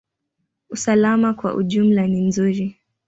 Usalama kwa ujumla ni nzuri.